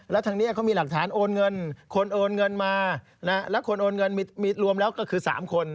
แล้วทางนี้เขามีหลักฐานโอนเงินคนโอนเงินมาและคนโอนเงินมีรวมแล้วก็คือ๓คน